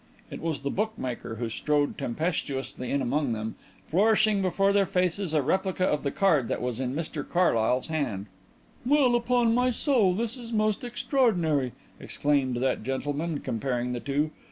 It was the bookmaker who strode tempestuously in among them, flourishing before their faces a replica of the card that was in Mr Carlyle's hand. "Well, upon my soul this is most extraordinary," exclaimed that gentleman, comparing the two.